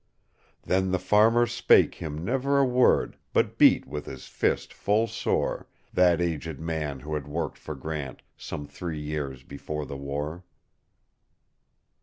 Then the farmer spake him never a word, But beat with his fist full soreThat aged man, who had worked for GrantSome three years before the war.